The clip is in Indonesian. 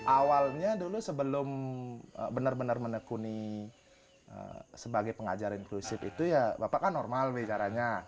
awalnya dulu sebelum benar benar menekuni sebagai pengajar inklusif itu ya bapak kan normal bicaranya